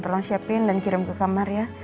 tolong siapin dan kirim ke kamar ya